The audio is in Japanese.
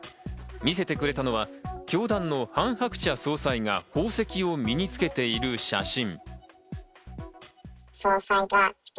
見せてくれたのは教団のハン・ハクチャ総裁が宝石を身につけている写真。